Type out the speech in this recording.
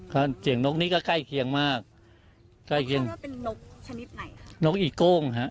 ก็เสียงนกนี้ก็ใกล้เคียงมากใกล้เคียงว่าเป็นนกชนิดไหนคะนกอีโก้งฮะ